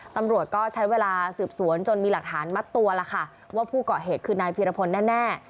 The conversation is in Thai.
ตำรวจก็ใช้เวลาสืบสวนจนมีหลักฐานมัดตัวแล้วค่ะว่าผู้เกาะเหตุคือนายพีรพลแน่